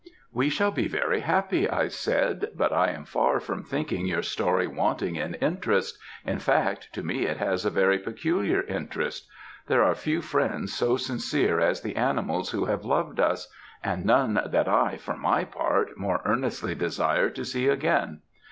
"We shall be very happy," I said, "but I am far from thinking your story wanting in interest, in fact, to me it has a very peculiar interest. There are few friends so sincere as the animals who have loved us, and none that I, for my part, more earnestly desire to see again.